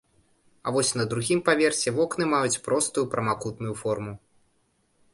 А вось на другім паверсе вокны маюць простую прамакутную форму.